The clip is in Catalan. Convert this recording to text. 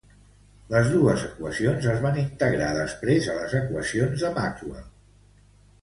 Les dos equacions es van integrar després a les equacions de Maxwell.